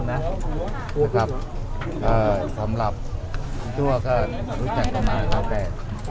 นะครับก็สำหรับคุณทั่วก็รู้จักกันมาแล้วแต่